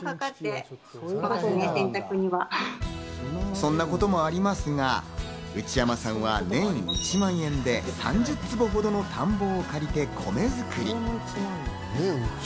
そんなこともありますが、内山さんは年１万円で、３０坪ほどの田んぼを借りて米作り。